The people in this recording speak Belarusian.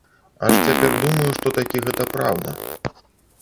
Аж цяпер думаю, што такі гэта праўда.